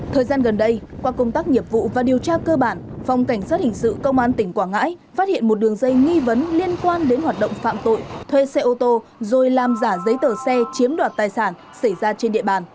thời gian gần đây qua công tác nghiệp vụ và điều tra cơ bản phòng cảnh sát hình sự công an tỉnh quảng ngãi phát hiện một đường dây nghi vấn liên quan đến hoạt động phạm tội thuê xe ô tô rồi làm giả giấy tờ xe chiếm đoạt tài sản xảy ra trên địa bàn